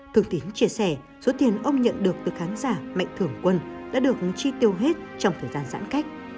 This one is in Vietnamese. thực tín chia sẻ số tiền ông nhận được từ khán giả mạnh thường quân đã được chi tiêu hết trong thời gian giãn cách